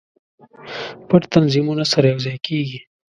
پټ تنظیمونه سره یو ځای کیږي.